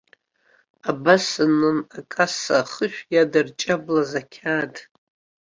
Абас анын акасса ахышә иадырҷаблаз ақьаад.